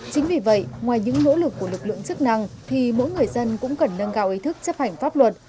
chính vì vậy ngoài những nỗ lực của lực lượng chức năng thì mỗi người dân cũng cần nâng cao ý thức chấp hành pháp luật